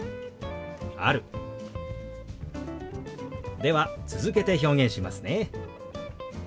では続けて表現しますね。